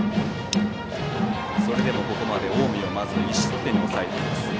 それでもここまで近江を１失点に抑えています。